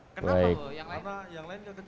kenapa loh yang lainnya kecil